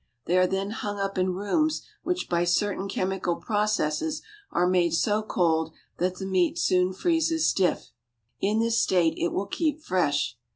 They are then hung up in rooms which by cer tain chemical processes are made so cold that the meat soon freezes stiff. In this state it will keep fresh.